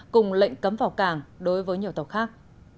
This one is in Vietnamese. cùng lệnh cấm vào cảng đối với nhiều tàu khác